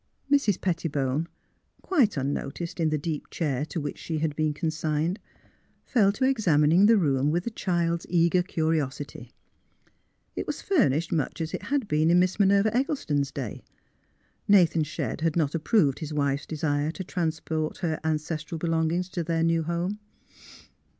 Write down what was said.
Mrs. Pettibone, quite unnoticed in the deep chair to which she had been consigned, fell to ex amining the room with a child's eager curiosity. It was furnished much as it had been in Miss Minerva Eggleston's day. Nathan Shedd had not approved his wife's desire to transport her an cestral belongings to their new home.